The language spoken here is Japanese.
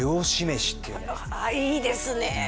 ああいいですね